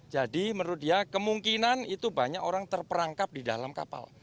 jadi menurut dia kemungkinan itu banyak orang terperangkap di dalam kapal